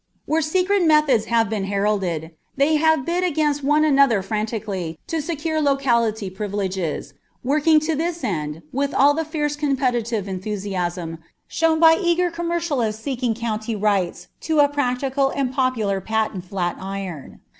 Where secret methods have been heralded, they have bid against one another frantically to secure locality privileges, working to this end with all the fierce competitive enthusiasm shown by eager commercialists seeking county rights to a practical and popular patent flat iron.